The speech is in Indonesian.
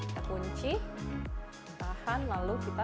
kita kunci tahan lalu kita